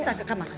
sama ke kamar